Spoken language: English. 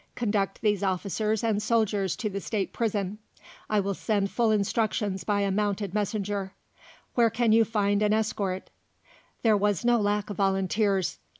Conduct these officers and soldiers to the State Prison; I will send full instructions by a mounted messenger. Where can you find an escort?" There was no lack of volunteers.